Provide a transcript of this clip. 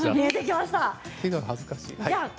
手が恥ずかしい。